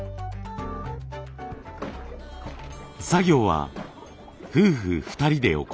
作業は夫婦２人で行います。